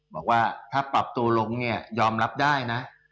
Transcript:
บอกว่าถ้าปรับตัวลงเนี่ยยอมรับได้นะ